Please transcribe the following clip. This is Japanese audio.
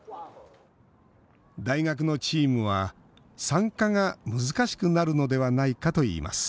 大学のチームは参加が難しくなるのではないかといいます